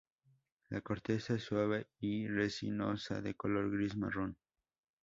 La corteza es suave y resinosa de color gris-marrón.